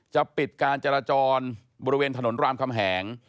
จะปิดการจราจรบริเวณถนนรามคำแหง